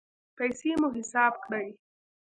پیسې مو حساب کړئ